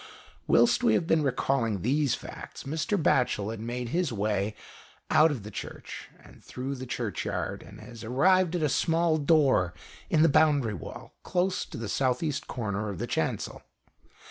Whilst we have been recalling these facts, Mr. Batchel has made his way out of the Church and through the Churchyard, and has arrived at a small door in the boundary wall, close to the 8.B. corner of the chancel.